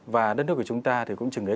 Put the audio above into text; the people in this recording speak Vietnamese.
và đất nước của chúng ta thì cũng chừng đấy